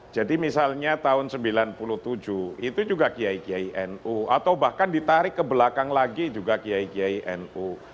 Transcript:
jadi misalnya tahun sembilan puluh tujuh itu juga kiai kiai nu atau bahkan ditarik ke belakang lagi juga kiai kiai nu